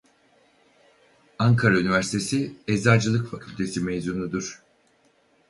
Ankara Üniversitesi Eczacılık Fakültesi mezunudur.